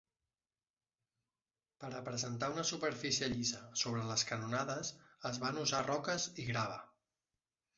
Per a presentar una superfície llisa sobre les canonades es van usar roques i grava.